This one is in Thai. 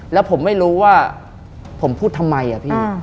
แล้วผมไม่รู้ว่าผมพูดทำไมอะพี่